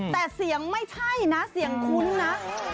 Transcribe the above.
แต่เสียงไม่ใช่นะเสียงคุ้นนะ